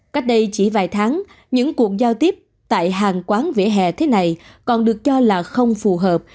cách đây chỉ vài tháng những cuộc giao tiếp tại hàng quán vỉa hè thế này còn được cho là không phù hợp